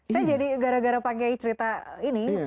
saya jadi gara gara pakai cerita ini